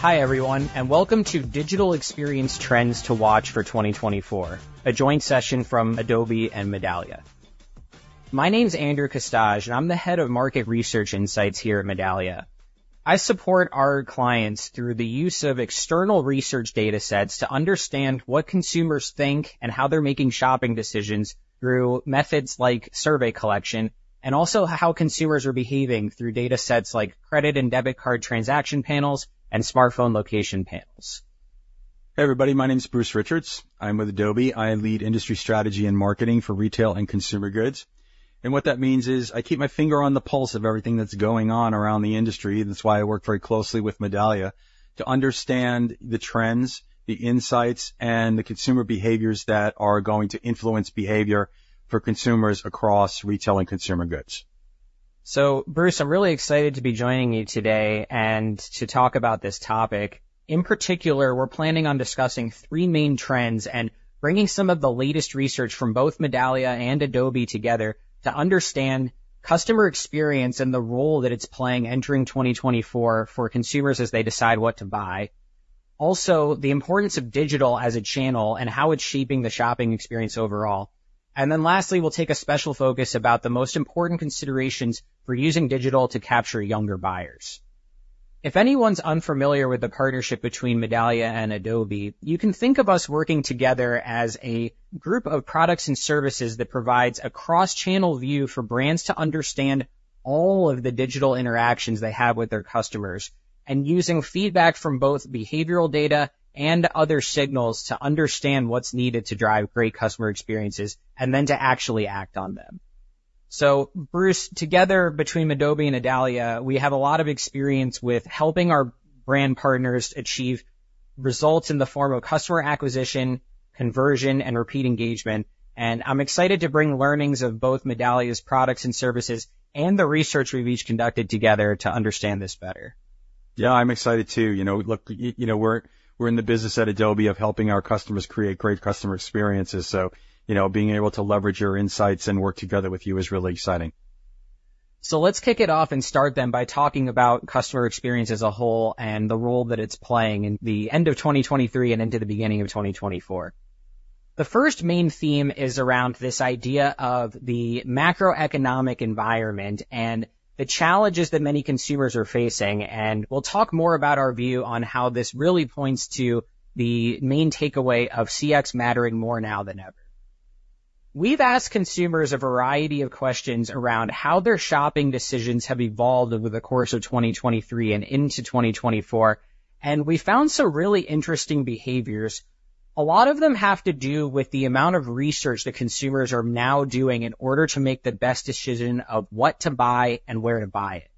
Hi, everyone, and welcome to Digital Experience Trends to Watch for 2024, a joint session from Adobe and Medallia. My name's Andrew Custage, and I'm the head of Market Research Insights here at Medallia. I support our clients through the use of external research data sets to understand what consumers think and how they're making shopping decisions through methods like survey collection, and also how consumers are behaving through data sets like credit and debit card transaction panels and smartphone location panels. Hey, everybody, my name's Bruce Richards. I'm with Adobe. I lead Industry Strategy and Marketing for Retail and Consumer Goods, and what that means is, I keep my finger on the pulse of everything that's going on around the industry. That's why I work very closely with Medallia to understand the trends, the insights, and the consumer behaviors that are going to influence behavior for consumers across retail and consumer goods. So, Bruce, I'm really excited to be joining you today and to talk about this topic. In particular, we're planning on discussing three main trends and bringing some of the latest research from both Medallia and Adobe together to understand customer experience and the role that it's playing entering 2024 for consumers as they decide what to buy. Also, the importance of digital as a channel and how it's shaping the shopping experience overall. And then lastly, we'll take a special focus about the most important considerations for using digital to capture younger buyers. If anyone's unfamiliar with the partnership between Medallia and Adobe, you can think of us working together as a group of products and services that provides a cross-channel view for brands to understand all of the digital interactions they have with their customers, and using feedback from both behavioral data and other signals to understand what's needed to drive great customer experiences, and then to actually act on them. So, Bruce, together between Adobe and Medallia, we have a lot of experience with helping our brand partners achieve results in the form of customer acquisition, conversion, and repeat engagement, and I'm excited to bring learnings of both Medallia's products and services and the research we've each conducted together to understand this better. Yeah, I'm excited, too. You know, look, you know, we're in the business at Adobe of helping our customers create great customer experiences, so, you know, being able to leverage your insights and work together with you is really exciting. Let's kick it off and start then by talking about customer experience as a whole and the role that it's playing in the end of 2023 and into the beginning of 2024. The first main theme is around this idea of the macroeconomic environment and the challenges that many consumers are facing, and we'll talk more about our view on how this really points to the main takeaway of CX mattering more now than ever. We've asked consumers a variety of questions around how their shopping decisions have evolved over the course of 2023 and into 2024, and we found some really interesting behaviors. A lot of them have to do with the amount of research that consumers are now doing in order to make the best decision of what to buy and where to buy it.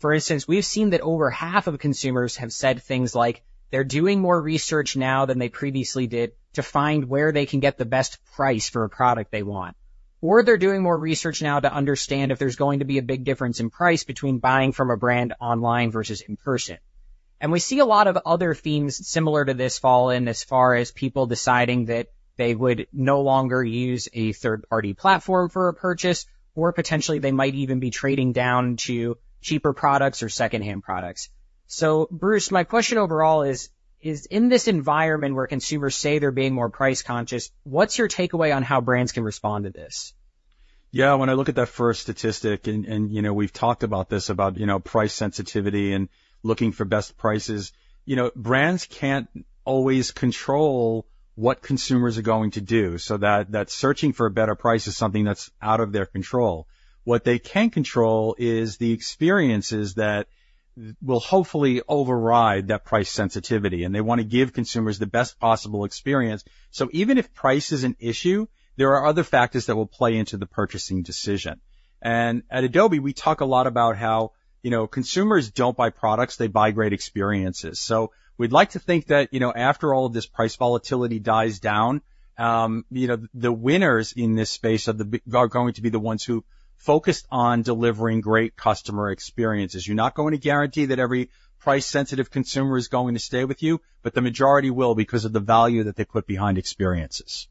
For instance, we've seen that over half of consumers have said things like, "They're doing more research now than they previously did to find where they can get the best price for a product they want," or, "They're doing more research now to understand if there's going to be a big difference in price between buying from a brand online versus in person." And we see a lot of other themes similar to this fall in as far as people deciding that they would no longer use a third-party platform for a purchase, or potentially they might even be trading down to cheaper products or secondhand products. So, Bruce, my question overall is in this environment where consumers say they're being more price-conscious, what's your takeaway on how brands can respond to this? Yeah, when I look at that first statistic, and you know, we've talked about this, about, you know, price sensitivity and looking for best prices, you know, brands can't always control what consumers are going to do. So that searching for a better price is something that's out of their control. What they can control is the experiences that will hopefully override that price sensitivity, and they want to give consumers the best possible experience. So even if price is an issue, there are other factors that will play into the purchasing decision. And at Adobe, we talk a lot about how, you know, consumers don't buy products, they buy great experiences. We'd like to think that, you know, after all of this price volatility dies down, you know, the winners in this space are going to be the ones who focused on delivering great customer experiences. You're not going to guarantee that every price-sensitive consumer is going to stay with you, but the majority will because of the value that they put behind experiences.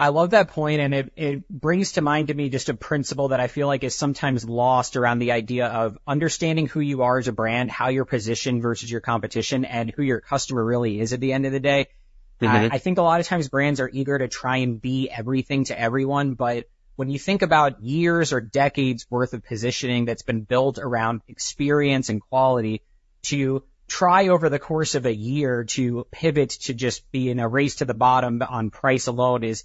I love that point, and it brings to mind to me just a principle that I feel like is sometimes lost around the idea of understanding who you are as a brand, how you're positioned versus your competition, and who your customer really is at the end of the day. Mm-hmm. I think a lot of times brands are eager to try and be everything to everyone, but when you think about years or decades worth of positioning that's been built around experience and quality, to try over the course of a year to pivot to just be in a race to the bottom on price alone is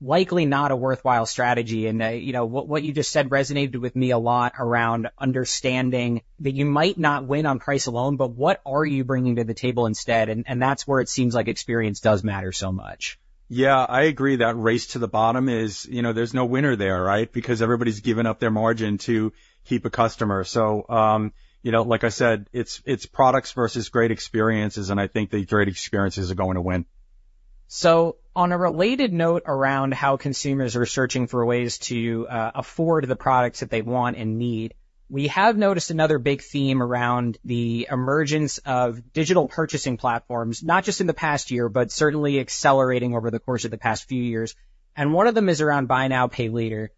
likely not a worthwhile strategy. And, you know, what you just said resonated with me a lot around understanding that you might not win on price alone, but what are you bringing to the table instead? And that's where it seems like experience does matter so much. Yeah, I agree. That race to the bottom is... You know, there's no winner there, right? Because everybody's giving up their margin to keep a customer. So, you know, like I said, it's products versus great experiences, and I think the great experiences are going to win. So on a related note around how consumers are searching for ways to afford the products that they want and need, we have noticed another big theme around the emergence of digital purchasing platforms, not just in the past year, but certainly accelerating over the course of the past few years, and one of them is around buy now, pay later,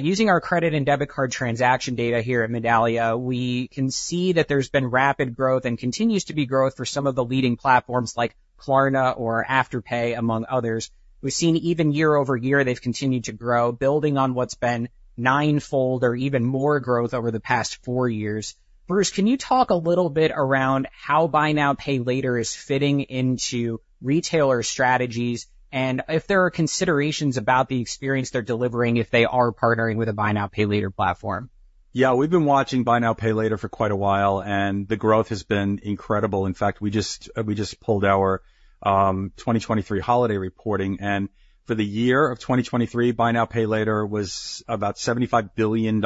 using our credit and debit card transaction data here at Medallia, we can see that there's been rapid growth and continues to be growth for some of the leading platforms like Klarna or Afterpay, among others. We've seen even year-over-year, they've continued to grow, building on what's been ninefold or even more growth over the past four years. Bruce, can you talk a little bit around how buy now, pay later is fitting into retailer strategies, and if there are considerations about the experience they're delivering if they are partnering with a buy now, pay later platform? Yeah, we've been watching buy now, pay later for quite a while, and the growth has been incredible. In fact, we just, we just pulled our, 2023 holiday reporting, and for the year of 2023, buy now, pay later was about $75 billion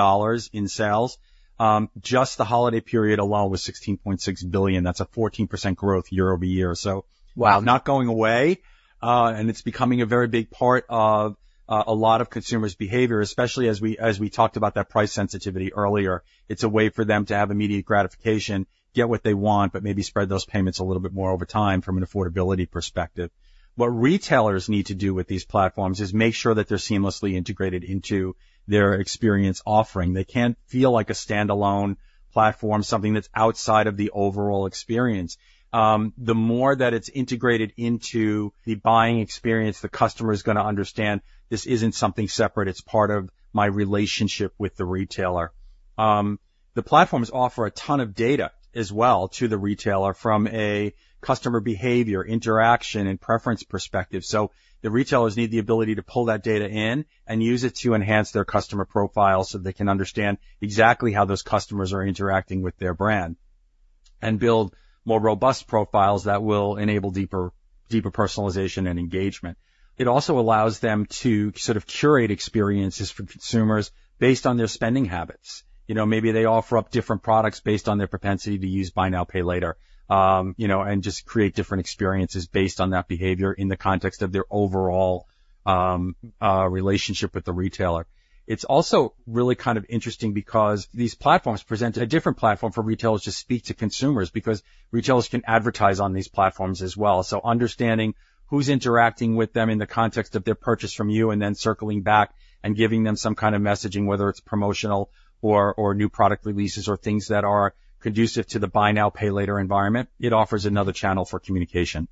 in sales. Just the holiday period alone was $16.6 billion. That's a 14% growth year-over-year. So- Wow! Not going away, and it's becoming a very big part of a lot of consumers' behavior, especially as we talked about that price sensitivity earlier. It's a way for them to have immediate gratification, get what they want, but maybe spread those payments a little bit more over time from an affordability perspective. What retailers need to do with these platforms is make sure that they're seamlessly integrated into their experience offering. They can't feel like a standalone platform, something that's outside of the overall experience. The more that it's integrated into the buying experience, the customer is gonna understand this isn't something separate, it's part of my relationship with the retailer. The platforms offer a ton of data as well to the retailer from a customer behavior, interaction, and preference perspective. So the retailers need the ability to pull that data in and use it to enhance their customer profile so they can understand exactly how those customers are interacting with their brand and build more robust profiles that will enable deeper, deeper personalization and engagement. It also allows them to sort of curate experiences for consumers based on their spending habits. You know, maybe they offer up different products based on their propensity to use buy now, pay later, you know, and just create different experiences based on that behavior in the context of their overall, relationship with the retailer. It's also really kind of interesting because these platforms present a different platform for retailers to speak to consumers, because retailers can advertise on these platforms as well. Understanding who's interacting with them in the context of their purchase from you, and then circling back and giving them some kind of messaging, whether it's promotional or new product releases, or things that are conducive to the buy now, pay later environment, it offers another channel for communication.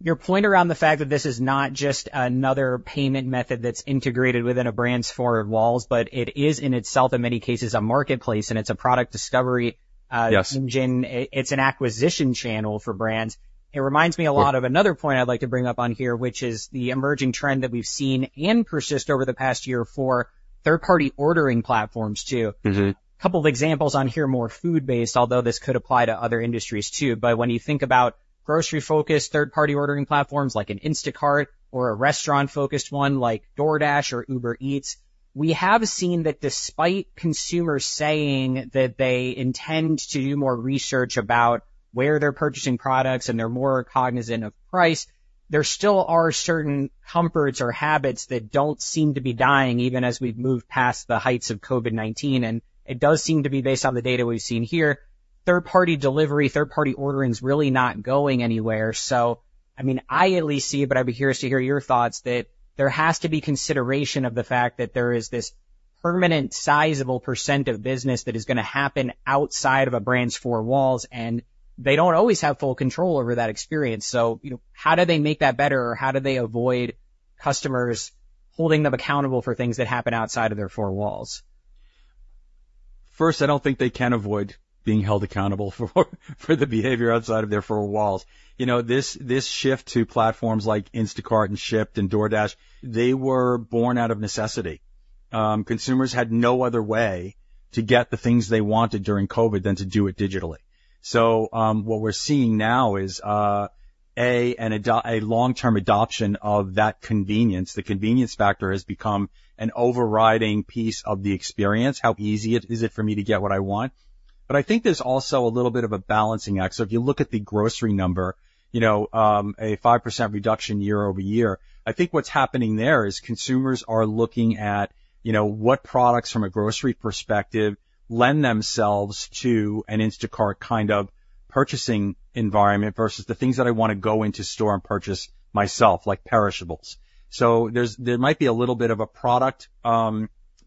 Your point around the fact that this is not just another payment method that's integrated within a brand's four walls, but it is in itself, in many cases, a marketplace, and it's a product discovery, Yes... engine. It, it's an acquisition channel for brands. It reminds me a lot- Yeah... of another point I'd like to bring up on here, which is the emerging trend that we've seen and persisted over the past year for third-party ordering platforms, too. Mm-hmm. A couple of examples on here, more food-based, although this could apply to other industries, too. But when you think about grocery-focused, third-party ordering platforms, like an Instacart or a restaurant-focused one, like DoorDash or Uber Eats, we have seen that despite consumers saying that they intend to do more research about where they're purchasing products and they're more cognizant of price, there still are certain comforts or habits that don't seem to be dying, even as we've moved past the heights of COVID-19. And it does seem to be based on the data we've seen here, third-party delivery, third-party ordering's really not going anywhere. So, I mean, I at least see, but I'd be curious to hear your thoughts, that there has to be consideration of the fact that there is this permanent, sizable percent of business that is gonna happen outside of a brand's four walls, and they don't always have full control over that experience. So, you know, how do they make that better, or how do they avoid customers holding them accountable for things that happen outside of their four walls? First, I don't think they can avoid being held accountable for the behavior outside of their four walls. You know, this shift to platforms like Instacart and Shipt and DoorDash. They were born out of necessity. Consumers had no other way to get the things they wanted during COVID than to do it digitally. So, what we're seeing now is a long-term adoption of that convenience. The convenience factor has become an overriding piece of the experience, how easy it is for me to get what I want. But I think there's also a little bit of a balancing act. So if you look at the grocery number, you know, a 5% reduction year-over-year, I think what's happening there is consumers are looking at, you know, what products from a grocery perspective lend themselves to an Instacart kind of purchasing environment versus the things that I want to go into store and purchase myself, like perishables. So there's a little bit of a product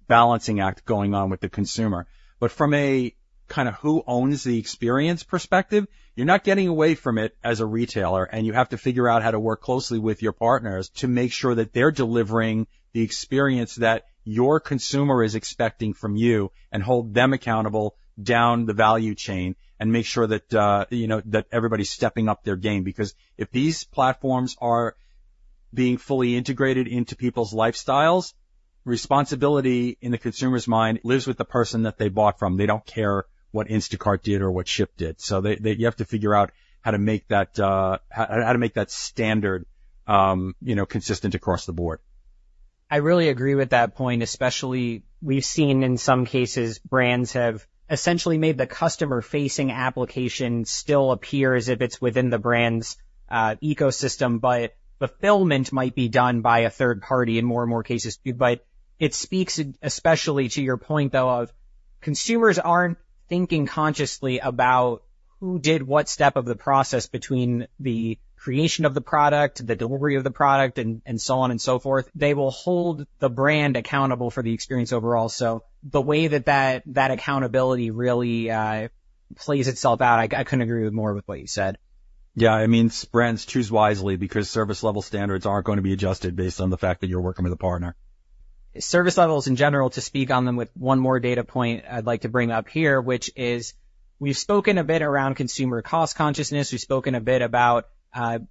balancing act going on with the consumer. But from a kind of who owns the experience perspective, you're not getting away from it as a retailer, and you have to figure out how to work closely with your partners to make sure that they're delivering the experience that your consumer is expecting from you, and hold them accountable down the value chain and make sure that, you know, that everybody's stepping up their game. Because if these platforms are being fully integrated into people's lifestyles, responsibility in the consumer's mind lives with the person that they bought from. They don't care what Instacart did or what Shipt did. So you have to figure out how to make that standard, you know, consistent across the board. I really agree with that point, especially we've seen in some cases, brands have essentially made the customer-facing application still appear as if it's within the brand's ecosystem, but fulfillment might be done by a third party in more and more cases. But it speaks especially to your point, though, of consumers aren't thinking consciously about who did what step of the process between the creation of the product, the delivery of the product, and so on and so forth. They will hold the brand accountable for the experience overall. So the way that accountability really plays itself out, I couldn't agree more with what you said. Yeah, it means brands choose wisely because service level standards aren't gonna be adjusted based on the fact that you're working with a partner. Service levels in general, to speak on them with one more data point I'd like to bring up here, which is we've spoken a bit around consumer cost consciousness. We've spoken a bit about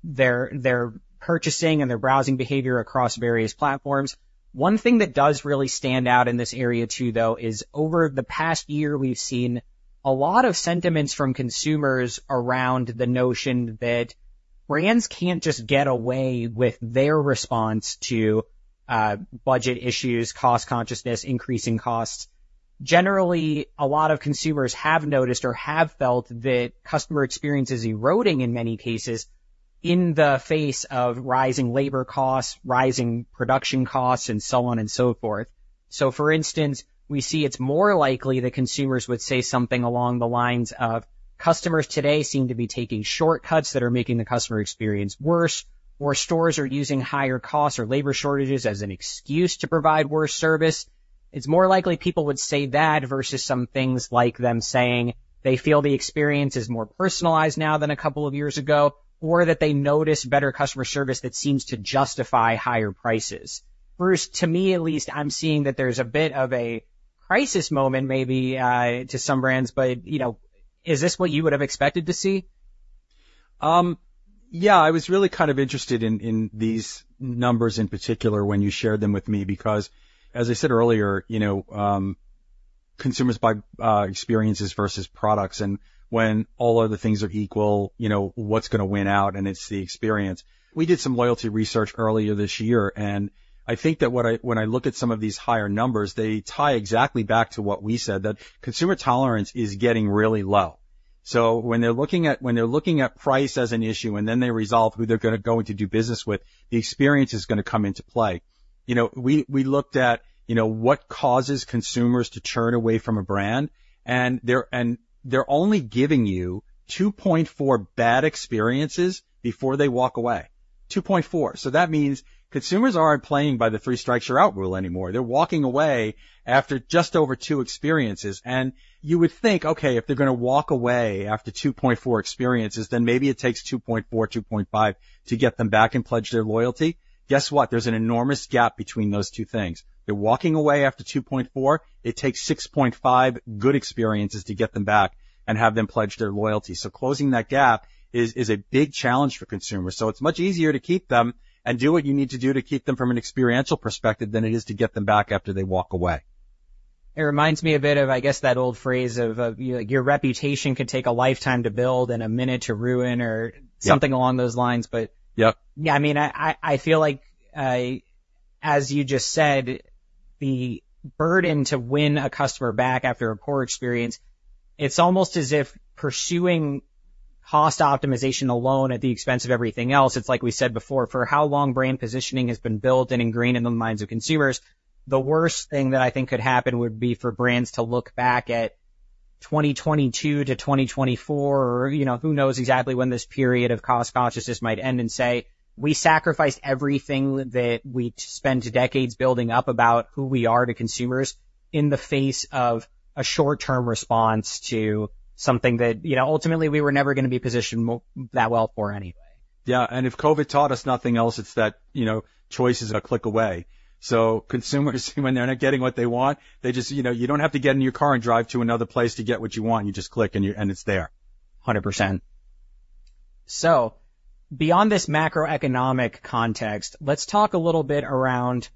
their, their purchasing and their browsing behavior across various platforms. One thing that does really stand out in this area, too, though, is over the past year, we've seen a lot of sentiments from consumers around the notion that brands can't just get away with their response to budget issues, cost consciousness, increasing costs. Generally, a lot of consumers have noticed or have felt that customer experience is eroding in many cases in the face of rising labour costs, rising production costs, and so on and so forth. So for instance, we see it's more likely that consumers would say something along the lines of, "Customers today seem to be taking shortcuts that are making the customer experience worse, or stores are using higher costs or labor shortages as an excuse to provide worse service." It's more likely people would say that versus some things like them saying they feel the experience is more personalized now than a couple of years ago, or that they notice better customer service that seems to justify higher prices. Bruce, to me at least, I'm seeing that there's a bit of a crisis moment maybe to some brands, but, you know, is this what you would have expected to see? Yeah, I was really kind of interested in these numbers in particular when you shared them with me because, as I said earlier, you know, consumers buy experiences versus products, and when all other things are equal, you know, what's gonna win out? And it's the experience. We did some loyalty research earlier this year, and I think that when I look at some of these higher numbers, they tie exactly back to what we said, that consumer tolerance is getting really low. So when they're looking at price as an issue, and then they resolve who they're gonna go in to do business with, the experience is gonna come into play. You know, we, we looked at, you know, what causes consumers to turn away from a brand, and they're, and they're only giving you 2.4 bad experiences before they walk away. 2.4 bad experiences, so that means consumers aren't playing by the three strikes you're out rule anymore. They're walking away after just over two experiences, and you would think, "Okay, if they're gonna walk away after 2.4 experiences, then maybe it takes 2.4 experiences, 2.5 experiences to get them back and pledge their loyalty." Guess what? There's an enormous gap between those two things. They're walking away after 2.4 bad experiences. It takes 6.5 good experiences to get them back and have them pledge their loyalty, so closing that gap is, is a big challenge for consumers. It's much easier to keep them and do what you need to do to keep them from an experiential perspective than it is to get them back after they walk away. It reminds me a bit of, I guess, that old phrase of, you know, your reputation could take a lifetime to build and a minute to ruin or- Yep... something along those lines. But- Yep Yeah, I mean, I feel like, as you just said, the burden to win a customer back after a poor experience, it's almost as if pursuing cost optimization alone at the expense of everything else, it's like we said before, for how long brand positioning has been built and ingrained in the minds of consumers, the worst thing that I think could happen would be for brands to look back at 2022-2024, or, you know, who knows exactly when this period of cost consciousness might end, and say, "We sacrificed everything that we spent decades building up about who we are to consumers in the face of a short-term response to something that, you know, ultimately we were never gonna be positioned that well for anyway. Yeah, and if COVID taught us nothing else, it's that, you know, choice is a click away. So consumers, when they're not getting what they want, they just... You know, you don't have to get in your car and drive to another place to get what you want. You just click, and you, and it's there. 100%. So beyond this macroeconomic context, let's talk a little bit around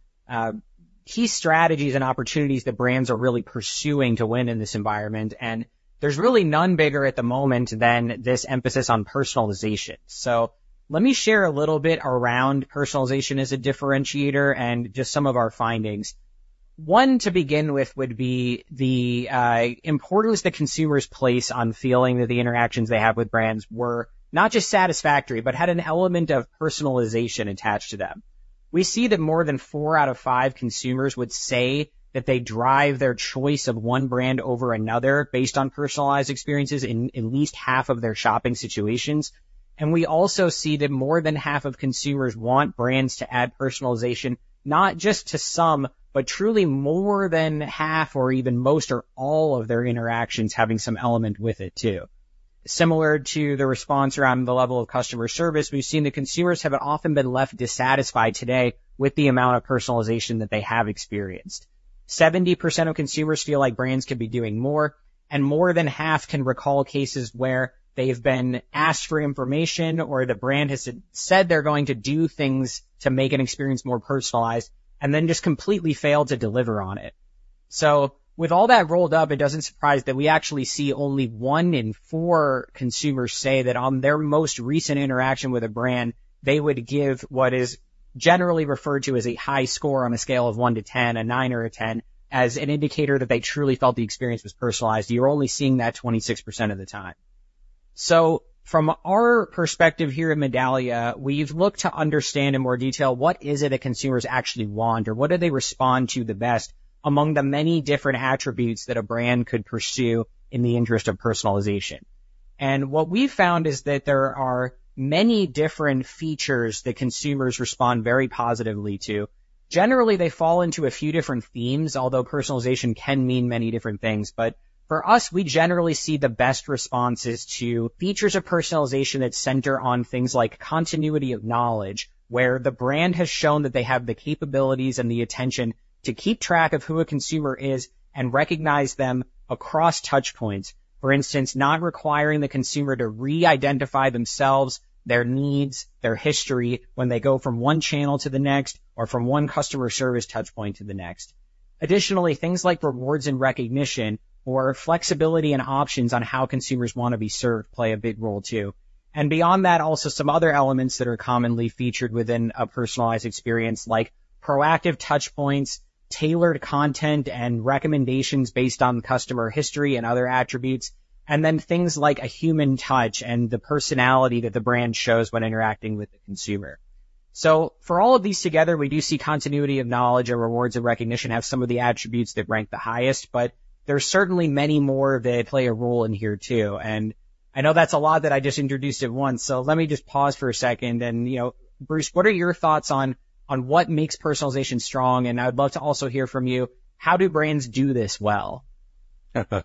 key strategies and opportunities that brands are really pursuing to win in this environment, and there's really none bigger at the moment than this emphasis on personalization. So let me share a little bit around personalization as a differentiator and just some of our findings. One, to begin with, would be the importance that consumers place on feeling that the interactions they have with brands were not just satisfactory but had an element of personalization attached to them. We see that more than four out of five consumers would say that they drive their choice of one brand over another based on personalized experiences in at least half of their shopping situations, and we also see that more than half of consumers want brands to add personalization, not just to some, but truly more than half or even most or all of their interactions having some element with it, too. Similar to the response around the level of customer service, we've seen that consumers have often been left dissatisfied today with the amount of personalization that they have experienced. 70% of consumers feel like brands could be doing more, and more than half can recall cases where they've been asked for information or the brand has said they're going to do things to make an experience more personalized and then just completely failed to deliver on it. So with all that rolled up, it doesn't surprise that we actually see only one in four consumers say that on their most recent interaction with a brand, they would give what is generally referred to as a high score on a scale of 1-10, a 9 or a 10, as an indicator that they truly felt the experience was personalized. You're only seeing that 26% of the time.... So from our perspective here at Medallia, we've looked to understand in more detail what is it that consumers actually want, or what do they respond to the best among the many different attributes that a brand could pursue in the interest of personalization? What we've found is that there are many different features that consumers respond very positively to. Generally, they fall into a few different themes, although personalization can mean many different things. But for us, we generally see the best responses to features of personalization that center on things like continuity of knowledge, where the brand has shown that they have the capabilities and the attention to keep track of who a consumer is and recognize them across touchpoints. For instance, not requiring the consumer to re-identify themselves, their needs, their history, when they go from one channel to the next or from one customer service touchpoint to the next. Additionally, things like rewards and recognition or flexibility and options on how consumers want to be served play a big role, too. And beyond that, also some other elements that are commonly featured within a personalized experience, like proactive touchpoints, tailored content, and recommendations based on customer history and other attributes, and then things like a human touch and the personality that the brand shows when interacting with the consumer. So for all of these together, we do see continuity of knowledge and rewards and recognition have some of the attributes that rank the highest, but there are certainly many more that play a role in here, too. I know that's a lot that I just introduced at once, so let me just pause for a second, and, you know, Bruce, what are your thoughts on, on what makes personalization strong? And I'd love to also hear from you, how do brands do this well? Yeah,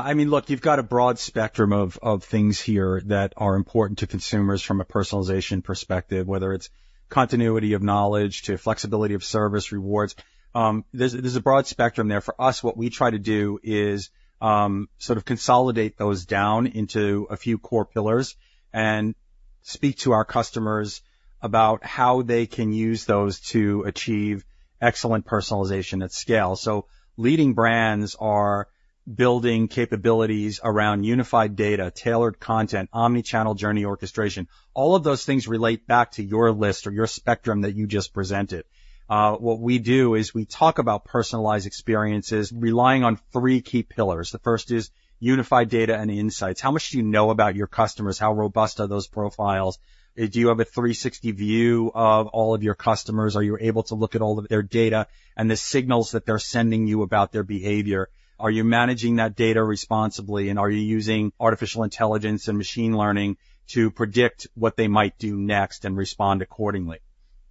I mean, look, you've got a broad spectrum of things here that are important to consumers from a personalization perspective, whether it's continuity of knowledge to flexibility of service, rewards. There's a broad spectrum there. For us, what we try to do is sort of consolidate those down into a few core pillars and speak to our customers about how they can use those to achieve excellent personalization at scale. So leading brands are building capabilities around unified data, tailored content, omni-channel journey orchestration. All of those things relate back to your list or your spectrum that you just presented. What we do is we talk about personalized experiences relying on three key pillars. The first is unified data and insights. How much do you know about your customers? How robust are those profiles? Do you have a 360 view of all of your customers? Are you able to look at all of their data and the signals that they're sending you about their behavior? Are you managing that data responsibly, and are you using artificial intelligence and machine learning to predict what they might do next and respond accordingly?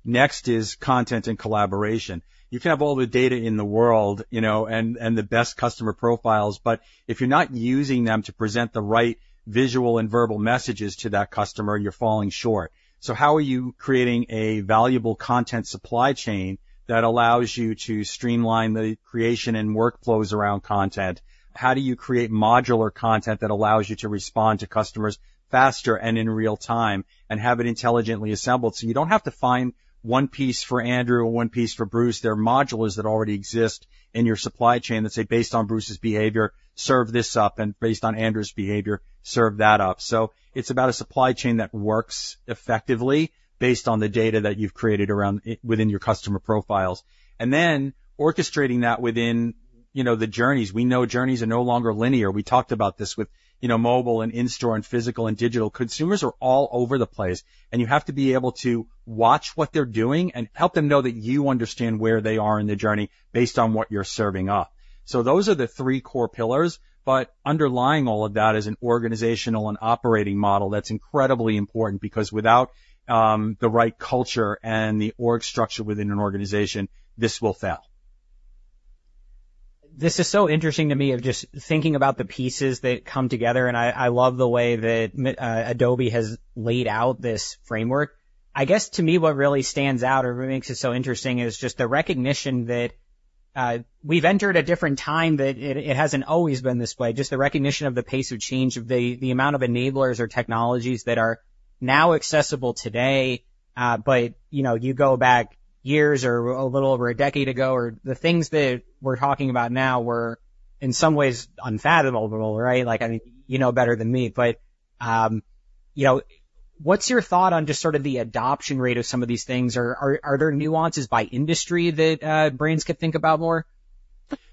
Next is content and collaboration. You can have all the data in the world, you know, and the best customer profiles, but if you're not using them to present the right visual and verbal messages to that customer, you're falling short. So how are you creating a valuable content supply chain that allows you to streamline the creation and workflows around content? How do you create modular content that allows you to respond to customers faster and in real time and have it intelligently assembled? So you don't have to find one piece for Andrew or one piece for Bruce. There are modules that already exist in your supply chain that say, "Based on Bruce's behavior, serve this up, and based on Andrew's behavior, serve that up." So it's about a supply chain that works effectively based on the data that you've created around, within your customer profiles. And then orchestrating that within, you know, the journeys. We know journeys are no longer linear. We talked about this with, you know, mobile and in-store and physical and digital. Consumers are all over the place, and you have to be able to watch what they're doing and help them know that you understand where they are in the journey based on what you're serving up. So those are the three core pillars, but underlying all of that is an organizational and operating model that's incredibly important because without the right culture and the org structure within an organization, this will fail. This is so interesting to me of just thinking about the pieces that come together, and I love the way that Adobe has laid out this framework. I guess to me, what really stands out or what makes it so interesting is just the recognition that we've entered a different time, that it hasn't always been this way. Just the recognition of the pace of change, the amount of enablers or technologies that are now accessible today, but you know, you go back years or a little over a decade ago or... The things that we're talking about now were, in some ways, unfathomable, right? Like, I mean, you know better than me, but you know, what's your thought on just sort of the adoption rate of some of these things, or are there nuances by industry that brands could think about more?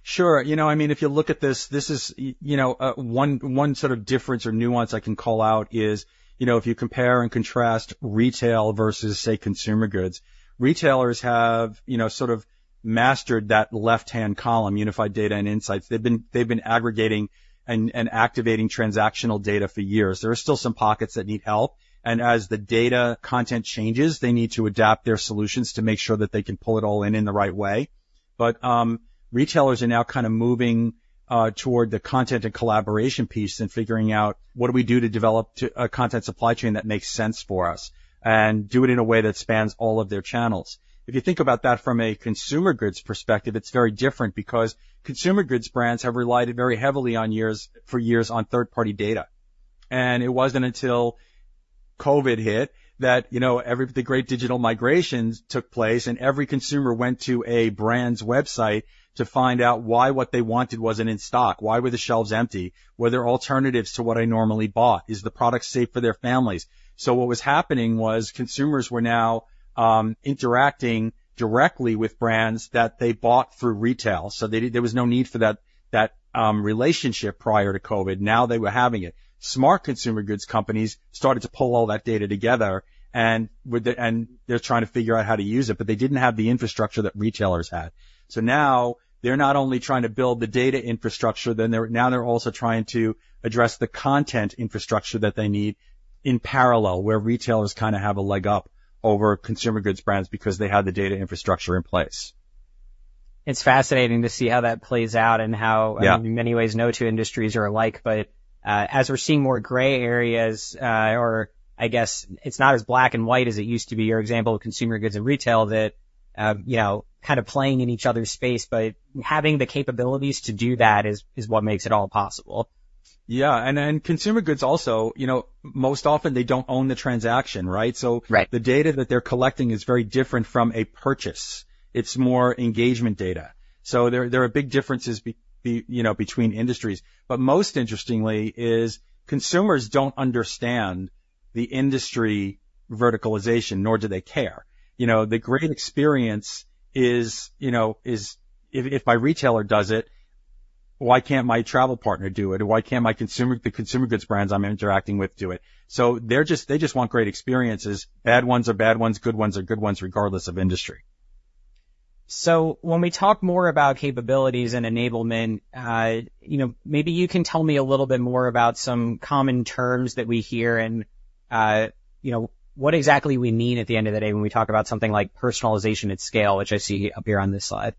Sure. You know, I mean, if you look at this, this is, you know, one sort of difference or nuance I can call out is, you know, if you compare and contrast retail versus, say, consumer goods, retailers have, you know, sort of mastered that left-hand column, unified data and insights. They've been aggregating and activating transactional data for years. There are still some pockets that need help, and as the data content changes, they need to adapt their solutions to make sure that they can pull it all in in the right way. But, retailers are now kind of moving toward the content and collaboration piece and figuring out, what do we do to develop a content supply chain that makes sense for us? And do it in a way that spans all of their channels. If you think about that from a consumer goods perspective, it's very different because consumer goods brands have relied very heavily for years on third-party data, and it wasn't until COVID hit, that, you know, the great digital migrations took place, and every consumer went to a brand's website to find out why what they wanted wasn't in stock. Why were the shelves empty? Were there alternatives to what I normally bought? Is the product safe for their families? So what was happening was consumers were now interacting directly with brands that they bought through retail, so there was no need for that relationship prior to COVID. Now, they were having it. Smart consumer goods companies started to pull all that data together, and they're trying to figure out how to use it, but they didn't have the infrastructure that retailers had. So now they're not only trying to build the data infrastructure, now they're also trying to address the content infrastructure that they need in parallel, where retailers kind of have a leg up over consumer goods brands because they had the data infrastructure in place. It's fascinating to see how that plays out and how- Yeah... in many ways, no two industries are alike. But, as we're seeing more gray areas, or I guess it's not as black and white as it used to be, your example of consumer goods and retail that, you know, kind of playing in each other's space, but having the capabilities to do that is, is what makes it all possible. Yeah, and then consumer goods also, you know, most often they don't own the transaction, right? Right. So the data that they're collecting is very different from a purchase. It's more engagement data. So there are big differences, you know, between industries. But most interestingly is consumers don't understand the industry verticalization, nor do they care. You know, the great experience is, you know, is if, if my retailer does it, why can't my travel partner do it? Why can't my consumer the consumer goods brands I'm interacting with do it? So they're just, they just want great experiences. Bad ones are bad ones, good ones are good ones, regardless of industry. So when we talk more about capabilities and enablement, you know, maybe you can tell me a little bit more about some common terms that we hear and, you know, what exactly we mean at the end of the day when we talk about something like personalization at scale, which I see up here on this slide.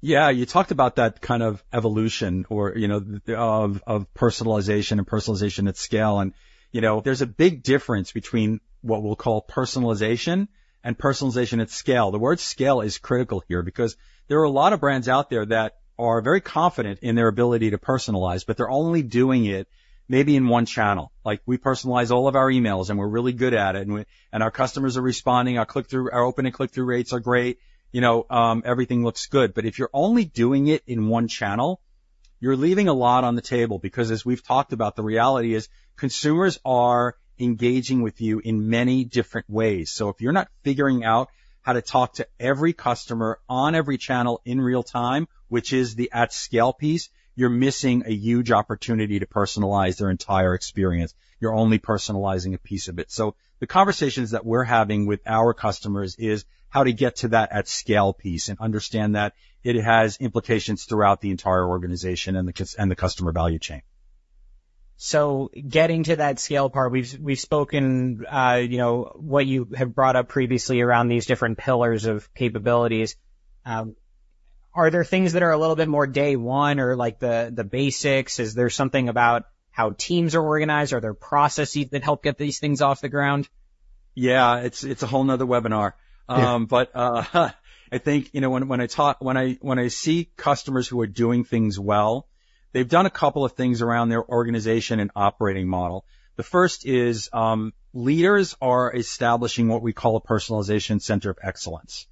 Yeah, you talked about that kind of evolution or, you know, of personalization and personalization at scale. And, you know, there's a big difference between what we'll call personalization and personalization at scale. The word scale is critical here because there are a lot of brands out there that are very confident in their ability to personalize, but they're only doing it maybe in one channel. Like, we personalize all of our emails, and we're really good at it, and we... and our customers are responding. Our click-through, our open and click-through rates are great. You know, everything looks good, but if you're only doing it in one channel, you're leaving a lot on the table because, as we've talked about, the reality is consumers are engaging with you in many different ways. So if you're not figuring out how to talk to every customer on every channel in real time, which is the at-scale piece, you're missing a huge opportunity to personalize their entire experience. You're only personalizing a piece of it. So the conversations that we're having with our customers is how to get to that at-scale piece and understand that it has implications throughout the entire organization and the customer value chain. So getting to that scale part, we've spoken, you know, what you have brought up previously around these different pillars of capabilities. Are there things that are a little bit more day one or, like, the basics? Is there something about how teams are organized? Are there processes that help get these things off the ground? Yeah, it's, it's a whole other webinar. Yeah. But I think, you know, when I see customers who are doing things well, they've done a couple of things around their organization and operating model. The first is, leaders are establishing what we call a Personalization Center of Excellence.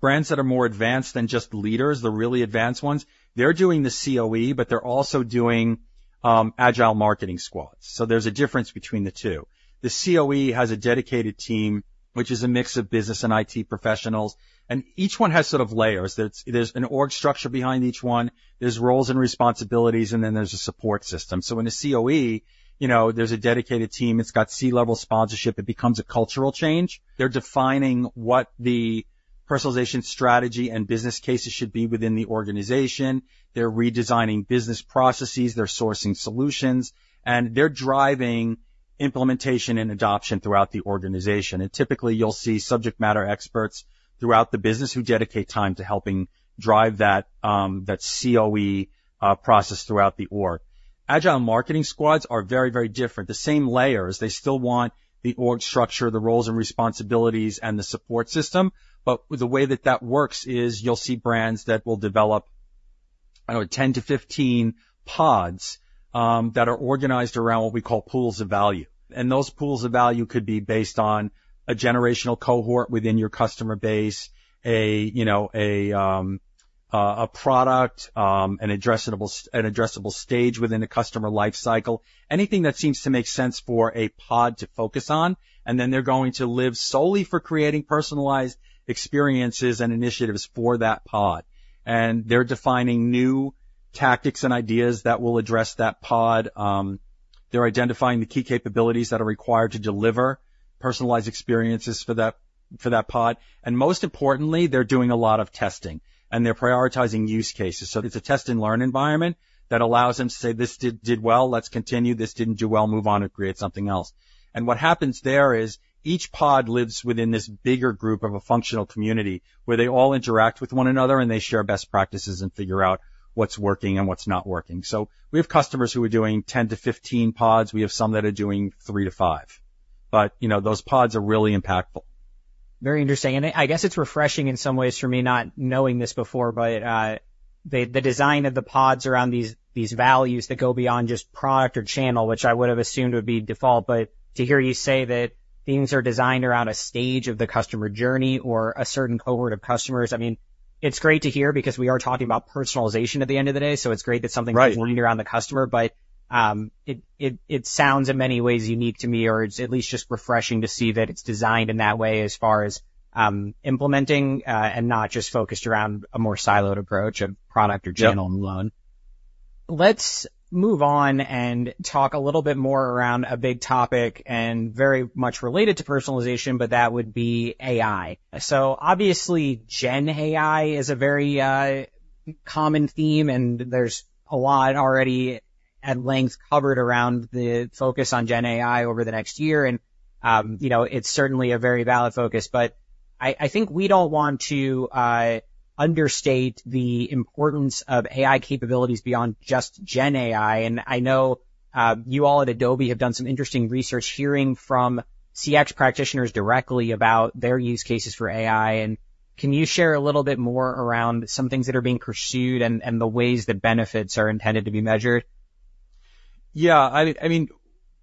Brands that are more advanced than just leaders, the really advanced ones, they're doing the COE, but they're also doing Agile marketing squads. So there's a difference between the two. The COE has a dedicated team, which is a mix of business and IT professionals, and each one has sort of layers. There's an org structure behind each one, there's roles and responsibilities, and then there's a support system. So in a COE, you know, there's a dedicated team. It's got C-level sponsorship. It becomes a cultural change. They're defining what the personalization strategy and business cases should be within the organization, they're redesigning business processes, they're sourcing solutions, and they're driving implementation and adoption throughout the organization. Typically, you'll see subject matter experts throughout the business who dedicate time to helping drive that, that COE, process throughout the org. Agile marketing squads are very, very different. The same layers, they still want the org structure, the roles and responsibilities, and the support system, but the way that that works is you'll see brands that will develop, 10-15 pods, that are organized around what we call pools of value. Those pools of value could be based on a generational cohort within your customer base, you know, a product, an addressable stage within the customer life cycle, anything that seems to make sense for a pod to focus on, and then they're going to live solely for creating personalized experiences and initiatives for that pod. They're defining new tactics and ideas that will address that pod. They're identifying the key capabilities that are required to deliver personalized experiences for that pod. Most importantly, they're doing a lot of testing, and they're prioritizing use cases. It's a test-and-learn environment that allows them to say, "This did well. Let's continue. This didn't do well. Move on and create something else." And what happens there is each pod lives within this bigger group of a functional community, where they all interact with one another, and they share best practices and figure out what's working and what's not working. So we have customers who are doing 10 pods-15 pods. We have some that are doing 3 pods-5 pods, but, you know, those pods are really impactful.... Very interesting, and I guess it's refreshing in some ways for me not knowing this before, but the design of the pods around these values that go beyond just product or channel, which I would've assumed would be default. But to hear you say that things are designed around a stage of the customer journey or a certain cohort of customers, I mean, it's great to hear because we are talking about personalization at the end of the day, so it's great that something- Right - is oriented around the customer. But it sounds in many ways unique to me, or it's at least just refreshing to see that it's designed in that way as far as implementing and not just focused around a more siloed approach of product or channel- Yep - alone. Let's move on and talk a little bit more around a big topic and very much related to personalization, but that would be AI. So obviously, GenAI is a very common theme, and there's a lot already at length covered around the focus on GenAI over the next year. And you know, it's certainly a very valid focus, but I think we don't want to understate the importance of AI capabilities beyond just GenAI. And I know you all at Adobe have done some interesting research hearing from CX practitioners directly about their use cases for AI. And can you share a little bit more around some things that are being pursued and the ways that benefits are intended to be measured? Yeah, I mean,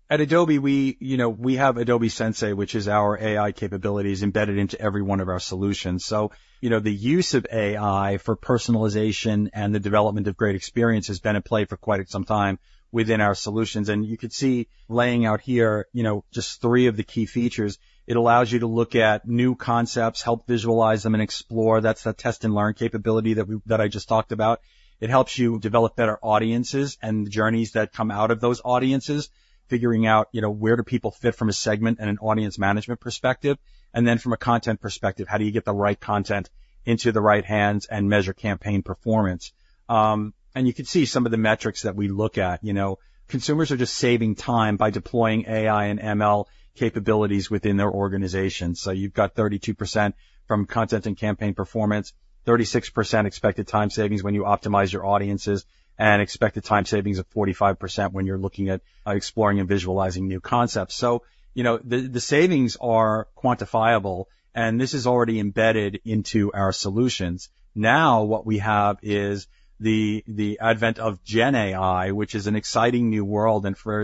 at Adobe we, you know, we have Adobe Sensei, which is our AI capabilities embedded into every one of our solutions. So, you know, the use of AI for personalization and the development of great experience has been at play for quite some time within our solutions. And you could see laying out here, you know, just three of the key features. It allows you to look at new concepts, help visualize them, and explore. That's the test-and-learn capability that we, that I just talked about. It helps you develop better audiences and the journeys that come out of those audiences, figuring out, you know, where do people fit from a segment and an audience management perspective. And then from a content perspective, how do you get the right content into the right hands and measure campaign performance? And you can see some of the metrics that we look at. You know, consumers are just saving time by deploying AI and ML capabilities within their organization. So you've got 32% from content and campaign performance, 36% expected time savings when you optimize your audiences, and expected time savings of 45% when you're looking at exploring and visualizing new concepts. So, you know, the savings are quantifiable, and this is already embedded into our solutions. Now, what we have is the advent of GenAI, which is an exciting new world, and for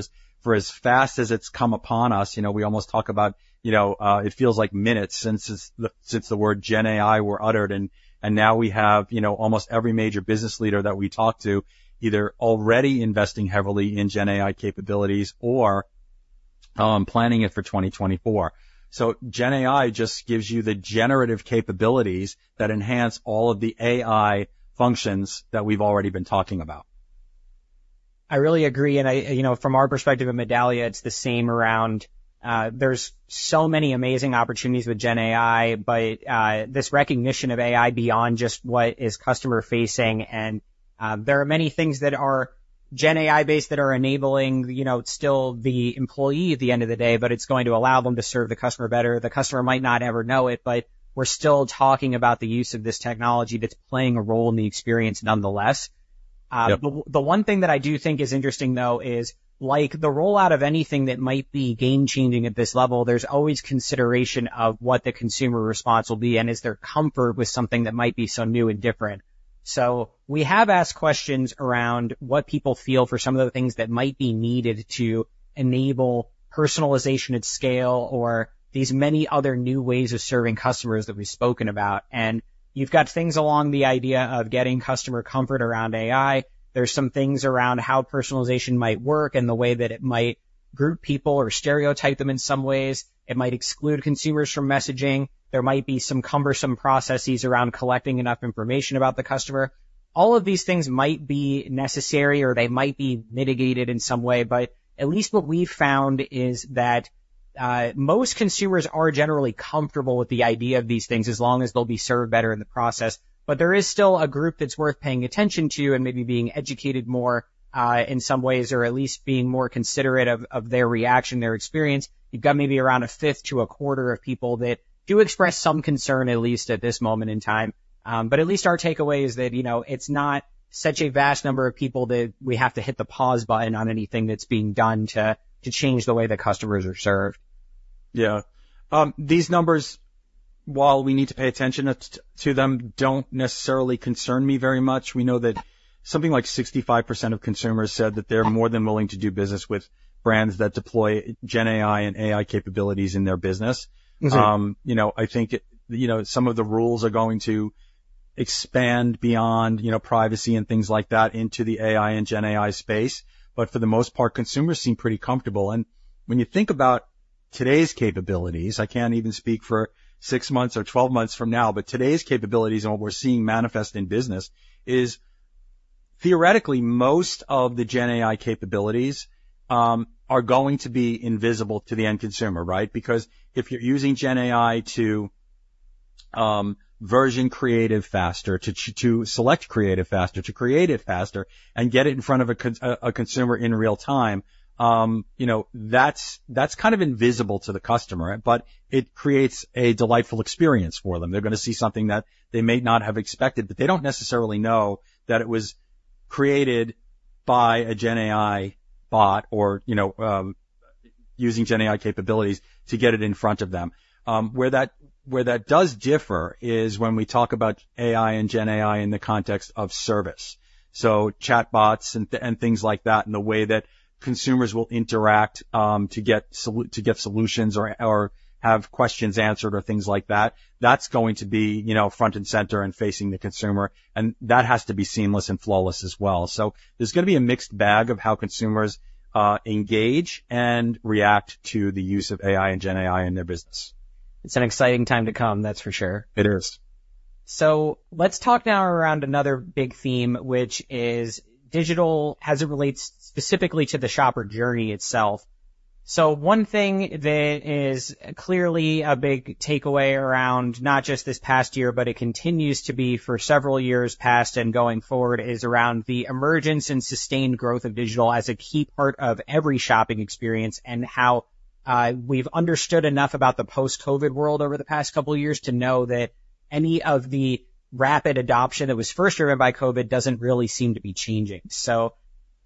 as fast as it's come upon us, you know, we almost talk about, you know, it feels like minutes since the word GenAI were uttered, and now we have, you know, almost every major business leader that we talk to either already investing heavily in GenAI capabilities or planning it for 2024. So GenAI just gives you the generative capabilities that enhance all of the AI functions that we've already been talking about. I really agree, and I, you know, from our perspective at Medallia, it's the same around. There's so many amazing opportunities with GenAI, but this recognition of AI beyond just what is customer-facing, and there are many things that are GenAI-based that are enabling, you know, still the employee at the end of the day, but it's going to allow them to serve the customer better. The customer might not ever know it, but we're still talking about the use of this technology that's playing a role in the experience nonetheless. Yep. The one thing that I do think is interesting, though, is, like, the rollout of anything that might be game-changing at this level, there's always consideration of what the consumer response will be, and is there comfort with something that might be so new and different? So we have asked questions around what people feel for some of the things that might be needed to enable personalization at scale or these many other new ways of serving customers that we've spoken about. And you've got things along the idea of getting customer comfort around AI. There's some things around how personalization might work and the way that it might group people or stereotype them in some ways. It might exclude consumers from messaging. There might be some cumbersome processes around collecting enough information about the customer. All of these things might be necessary, or they might be mitigated in some way, but at least what we've found is that, most consumers are generally comfortable with the idea of these things, as long as they'll be served better in the process. But there is still a group that's worth paying attention to and maybe being educated more, in some ways, or at least being more considerate of their reaction, their experience. You've got maybe around a fifth to a quarter of people that do express some concern, at least at this moment in time. But at least our takeaway is that, you know, it's not such a vast number of people that we have to hit the pause button on anything that's being done to change the way that customers are served. Yeah. These numbers, while we need to pay attention to them, don't necessarily concern me very much. We know that something like 65% of consumers said that they're more than willing to do business with brands that deploy GenAI and AI capabilities in their business. Mm-hmm. You know, I think, you know, some of the rules are going to expand beyond, you know, privacy and things like that into the AI and GenAI space, but for the most part, consumers seem pretty comfortable. And when you think about today's capabilities, I can't even speak for 6 months or 12 months from now, but today's capabilities and what we're seeing manifest in business is, theoretically, most of the GenAI capabilities are going to be invisible to the end consumer, right? Because if you're using GenAI to version creative faster, to select creative faster, to create it faster and get it in front of a consumer in real time, you know, that's kind of invisible to the customer, but it creates a delightful experience for them. They're gonna see something that they may not have expected, but they don't necessarily know that it was created by a Gen AI bot or, you know, using Gen AI capabilities to get it in front of them. Where that does differ is when we talk about AI and Gen AI in the context of service. So chatbots and things like that, and the way that consumers will interact to get solutions or have questions answered or things like that, that's going to be, you know, front and center and facing the consumer, and that has to be seamless and flawless as well. So there's gonna be a mixed bag of how consumers engage and react to the use of AI and Gen AI in their business. It's an exciting time to come, that's for sure. It is. Let's talk now around another big theme, which is digital as it relates specifically to the shopper journey itself. One thing that is clearly a big takeaway around not just this past year, but it continues to be for several years past and going forward, is around the emergence and sustained growth of digital as a key part of every shopping experience, and how we've understood enough about the post-COVID world over the past couple of years to know that any of the rapid adoption that was first driven by COVID doesn't really seem to be changing.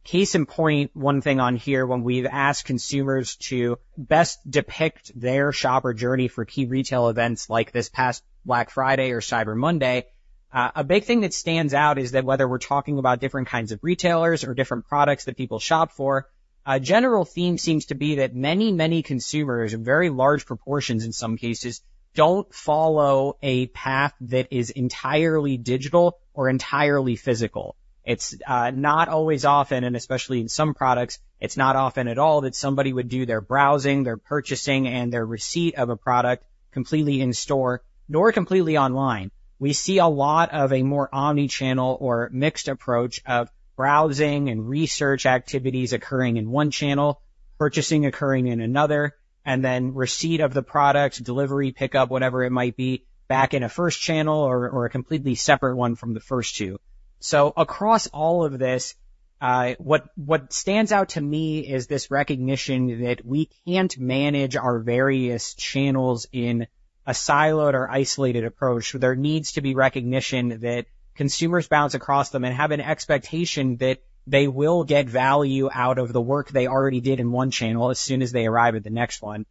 Case in point, one thing on here, when we've asked consumers to best depict their shopper journey for key retail events like this past Black Friday or Cyber Monday, a big thing that stands out is that whether we're talking about different kinds of retailers or different products that people shop for, a general theme seems to be that many, many consumers, very large proportions in some cases, don't follow a path that is entirely digital or entirely physical. It's not always often, and especially in some products, it's not often at all, that somebody would do their browsing, their purchasing, and their receipt of a product completely in store, nor completely online. We see a lot of a more omnichannel or mixed approach of browsing and research activities occurring in one channel, purchasing occurring in another, and then receipt of the product, delivery, pickup, whatever it might be, back in a first channel or a completely separate one from the first two. So across all of this, what stands out to me is this recognition that we can't manage our various channels in a siloed or isolated approach. There needs to be recognition that consumers bounce across them and have an expectation that they will get value out of the work they already did in one channel as soon as they arrive at the next one.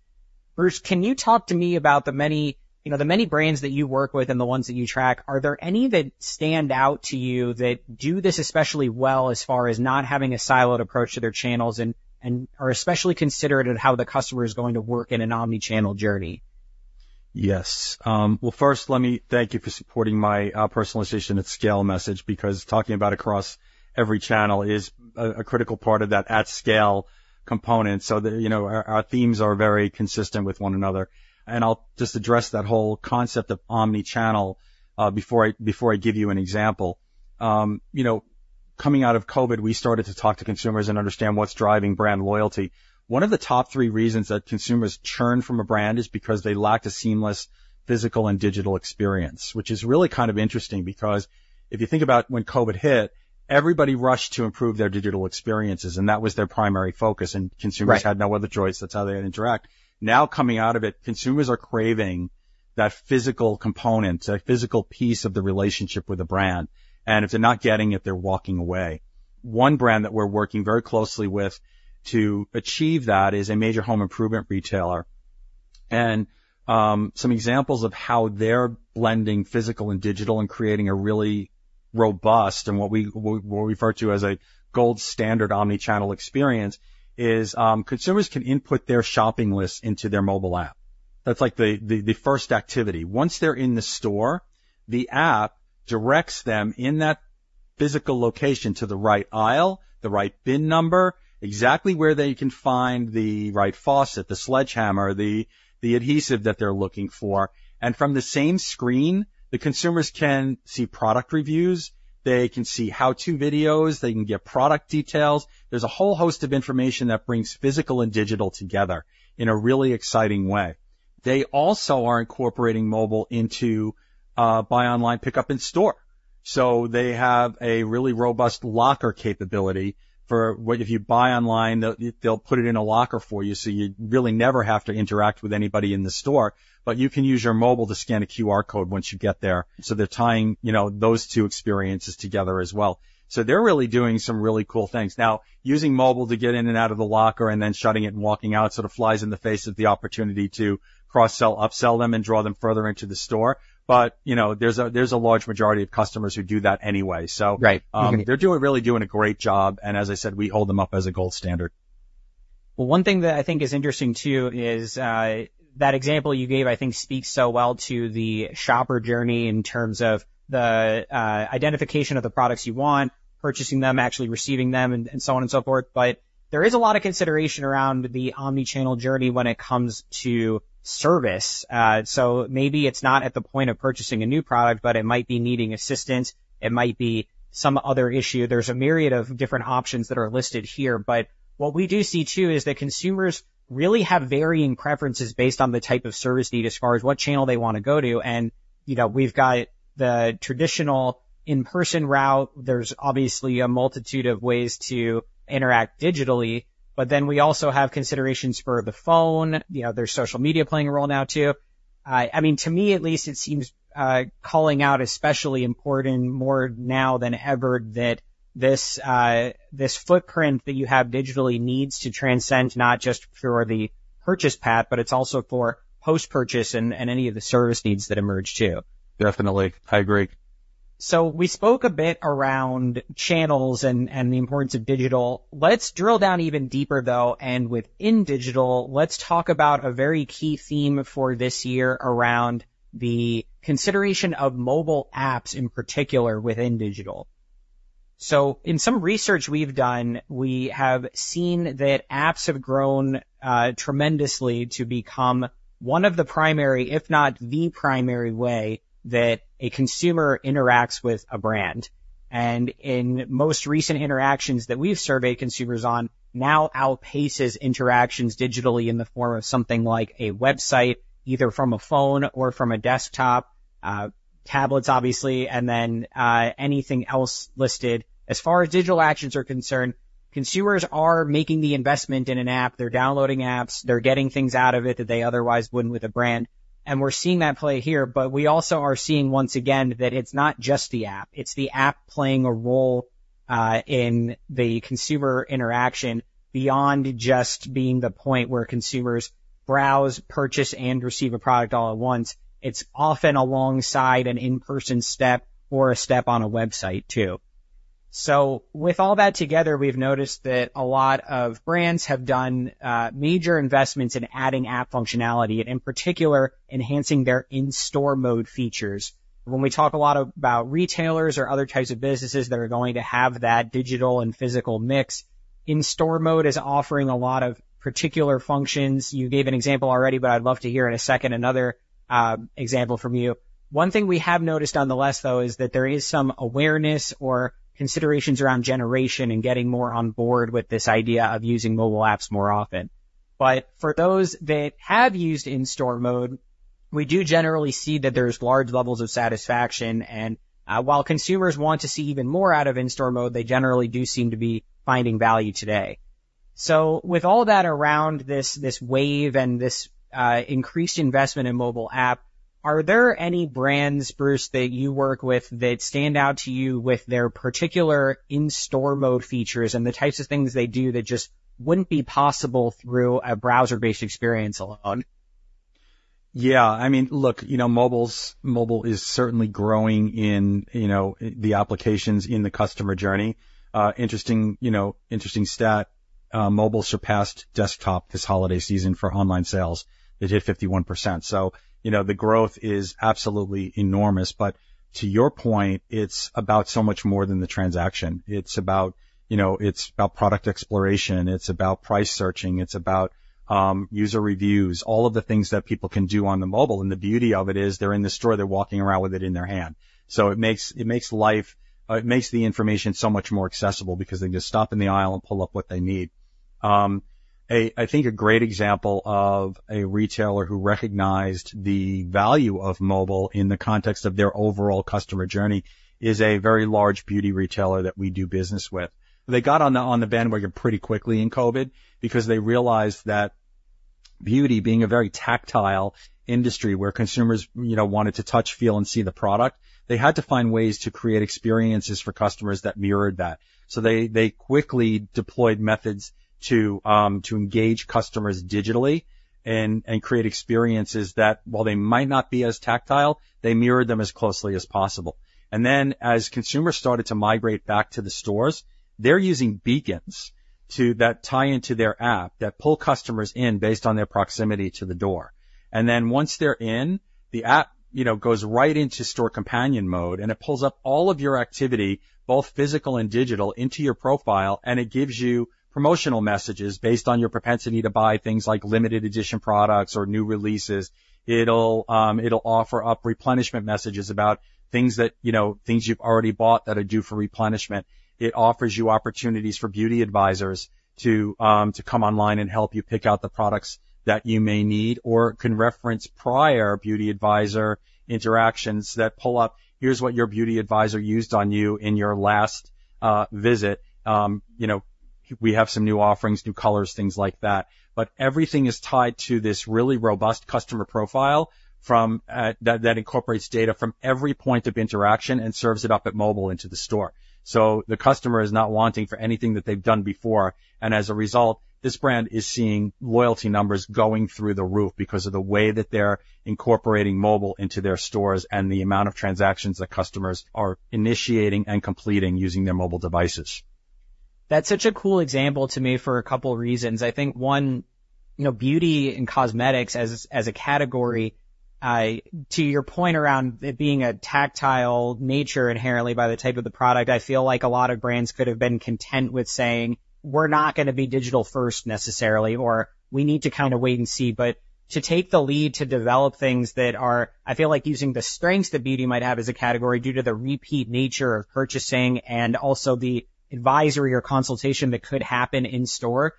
Bruce, can you talk to me about the many, you know, the many brands that you work with and the ones that you track, are there any that stand out to you that do this especially well as far as not having a siloed approach to their channels and, and are especially considerate of how the customer is going to work in an omni-channel journey? Yes. Well, first let me thank you for supporting my, personalization at scale message, because talking about across every channel is a critical part of that at-scale component, so, you know, our themes are very consistent with one another. I'll just address that whole concept of omnichannel, before I give you an example. You know, coming out of COVID, we started to talk to consumers and understand what's driving brand loyalty. One of the top three reasons that consumers churn from a brand is because they lacked a seamless physical and digital experience, which is really kind of interesting, because if you think about when COVID hit, everybody rushed to improve their digital experiences, and that was their primary focus- Right... and consumers had no other choice. That's how they had to interact. Now, coming out of it, consumers are craving that physical component, a physical piece of the relationship with the brand, and if they're not getting it, they're walking away. One brand that we're working very closely with to achieve that is a major home improvement retailer. And, some examples of how they're blending physical and digital and creating a really robust, and what we refer to as a gold standard omnichannel experience, is, consumers can input their shopping list into their mobile app. That's like the first activity. Once they're in the store, the app directs them in that physical location to the right aisle, the right bin number, exactly where they can find the right faucet, the sledgehammer, the adhesive that they're looking for. From the same screen, the consumers can see product reviews, they can see how-to videos, they can get product details. There's a whole host of information that brings physical and digital together in a really exciting way. They also are incorporating mobile into buy online, pickup in store. So they have a really robust locker capability for what if you buy online, they'll put it in a locker for you, so you really never have to interact with anybody in the store. But you can use your mobile to scan a QR code once you get there, so they're tying, you know, those two experiences together as well. So they're really doing some really cool things. Now, using mobile to get in and out of the locker and then shutting it and walking out sort of flies in the face of the opportunity to cross-sell, upsell them and draw them further into the store, but, you know, there's a large majority of customers who do that anyway, so- Right. They're doing, really doing a great job, and as I said, we hold them up as a gold standard. Well, one thing that I think is interesting, too, is, that example you gave, I think, speaks so well to the shopper journey in terms of the, identification of the products you want, purchasing them, actually receiving them, and, and so on and so forth, but there is a lot of consideration around the omnichannel journey when it comes to service. So maybe it's not at the point of purchasing a new product, but it might be needing assistance, it might be some other issue. There's a myriad of different options that are listed here. But what we do see, too, is that consumers really have varying preferences based on the type of service need as far as what channel they want to go to, and, you know, we've got the traditional in-person route. There's obviously a multitude of ways to interact digitally, but then we also have considerations for the phone. You know, there's social media playing a role now, too... I mean, to me at least, it seems calling out especially important, more now than ever, that this this footprint that you have digitally needs to transcend not just for the purchase path, but it's also for post-purchase and, and any of the service needs that emerge, too. Definitely. I agree. So we spoke a bit around channels and the importance of digital. Let's drill down even deeper, though, and within digital, let's talk about a very key theme for this year around the consideration of mobile apps, in particular, within digital. So in some research we've done, we have seen that apps have grown tremendously to become one of the primary, if not the primary, way that a consumer interacts with a brand, and in most recent interactions that we've surveyed consumers on, now outpaces interactions digitally in the form of something like a website, either from a phone or from a desktop, tablets, obviously, and then, anything else listed. As far as digital actions are concerned, consumers are making the investment in an app. They're downloading apps. They're getting things out of it that they otherwise wouldn't with a brand, and we're seeing that play here. But we also are seeing, once again, that it's not just the app, it's the app playing a role in the consumer interaction beyond just being the point where consumers browse, purchase, and receive a product all at once. It's often alongside an in-person step or a step on a website, too. So with all that together, we've noticed that a lot of brands have done major investments in adding app functionality, and in particular, enhancing their In-Store Mode features. When we talk a lot about retailers or other types of businesses that are going to have that digital and physical mix, In-Store Mode is offering a lot of particular functions. You gave an example already, but I'd love to hear in a second another example from you. One thing we have noticed nonetheless, though, is that there is some awareness or considerations around generation and getting more on board with this idea of using mobile apps more often. But for those that have used In-Store Mode, we do generally see that there's large levels of satisfaction, and while consumers want to see even more out of In-Store Mode, they generally do seem to be finding value today. So with all that around this, this wave and this increased investment in mobile app, are there any brands, Bruce, that you work with that stand out to you with their particular In-Store Mode features and the types of things they do that just wouldn't be possible through a browser-based experience alone? Yeah. I mean, look, you know, mobile is certainly growing in, you know, the applications in the customer journey. Interesting, you know, interesting stat, mobile surpassed desktop this holiday season for online sales. It hit 51%. So, you know, the growth is absolutely enormous. But to your point, it's about so much more than the transaction. It's about, you know, it's about product exploration, it's about price searching, it's about user reviews, all of the things that people can do on the mobile. And the beauty of it is, they're in the store, they're walking around with it in their hand. So it makes life... it makes the information so much more accessible because they just stop in the aisle and pull up what they need. I think a great example of a retailer who recognized the value of mobile in the context of their overall customer journey is a very large beauty retailer that we do business with. They got on the bandwagon pretty quickly in COVID because they realized that beauty, being a very tactile industry, where consumers, you know, wanted to touch, feel, and see the product, they had to find ways to create experiences for customers that mirrored that. So they quickly deployed methods to engage customers digitally and create experiences that, while they might not be as tactile, they mirrored them as closely as possible. And then, as consumers started to migrate back to the stores, they're using beacons to... that tie into their app, that pull customers in based on their proximity to the door. Once they're in, the app, you know, goes right into Store Companion Mode, and it pulls up all of your activity, both physical and digital, into your profile, and it gives you promotional messages based on your propensity to buy things like limited edition products or new releases. It'll, it'll offer up replenishment messages about things that, you know, things you've already bought that are due for replenishment. It offers you opportunities for beauty advisors to, to come online and help you pick out the products that you may need or can reference prior beauty advisor interactions that pull up, "Here's what your beauty advisor used on you in your last visit." You know, "We have some new offerings, new colors," things like that. But everything is tied to this really robust customer profile from that incorporates data from every point of interaction and serves it up at mobile into the store. So the customer is not wanting for anything that they've done before, and as a result, this brand is seeing loyalty numbers going through the roof because of the way that they're incorporating mobile into their stores and the amount of transactions that customers are initiating and completing using their mobile devices. That's such a cool example to me for a couple reasons. I think, one, you know, beauty and cosmetics as, as a category, to your point around it being a tactile nature inherently by the type of the product, I feel like a lot of brands could have been content with saying, "We're not gonna be digital first, necessarily," or, "We need to kind of wait and see." But to take the lead to develop things that are... I feel like using the strengths that beauty might have as a category due to the repeat nature of purchasing and also the advisory or consultation that could happen in store-